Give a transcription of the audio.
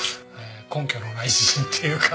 根拠のない自信っていうか。